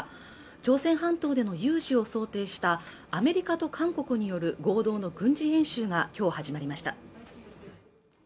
朝鮮半島での有事を想定したアメリカと韓国による合同の軍事演習がきょう始まりました